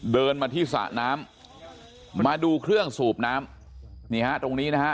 เดินมาที่สระน้ำมาดูเครื่องสูบน้ำนี่ฮะตรงนี้นะฮะ